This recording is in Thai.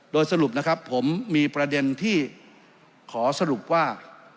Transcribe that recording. โดยสรุปนะครับผมมีประเด็นที่ขอสรุปว่า